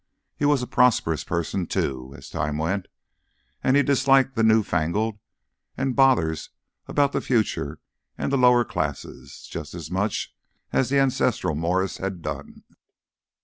He was a prosperous person, too, as times went, and he disliked the "new fangled," and bothers about the future and the lower classes, just as much as the ancestral Morris had done.